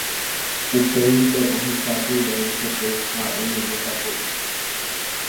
Upéinte ohecha Prudencio-pe ha oñembosako'i